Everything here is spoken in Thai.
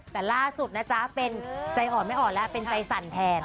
แต่ล่าสุดนะจ๊ะเป็นใจอ่อนไม่อ่อนแล้วเป็นใจสั่นแทน